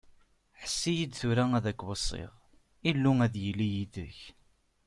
Ḥess-iyi-d tura ad k-weṣṣiɣ, Illu ad yili yid-k!